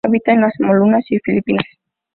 Habita en las Molucas y Filipinas.